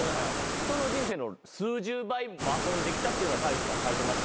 人の人生の数十倍遊んできたって書いてました。